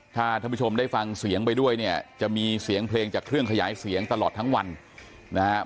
ถ้าท่านผู้ชมได้ฟังเสียงไปด้วยเนี่ยจะมีเสียงเพลงจากเครื่องขยายเสียงตลอดทั้งวันนะครับ